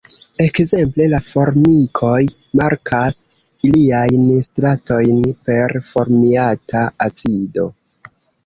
Ekzemple la formikoj markas iliajn „stratojn“ per formiata acido.